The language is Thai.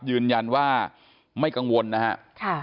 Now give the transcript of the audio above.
ยืนยันว่าไม่กังวลนะครับ